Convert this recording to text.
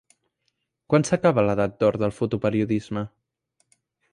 Quan s'acaba l'edat d'or del fotoperiodisme?